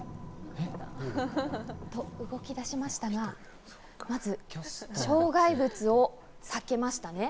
と動き出しましたが、まず障害物を避けましたね。